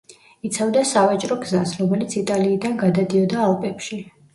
იცავდა სავაჭრო გზას, რომელიც იტალიიდან გადადიოდა ალპებში.